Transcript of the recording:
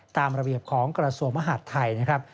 ตามระเบียบของกระทรวงมหาดไทยนะครับ